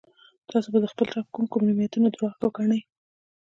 تاسو به د خپل رب کوم کوم نعمتونه درواغ وګڼئ.